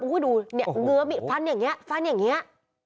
โหดูเนี่ยเหงือมิดฟันอย่างเนี้ย